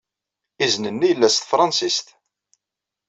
Izen-nni yella s tefṛensist.